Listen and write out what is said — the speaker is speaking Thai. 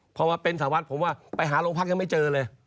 เพราะว่าเป็นสาวัสผมว่าไปหารงพรรคยังไม่เจอเลย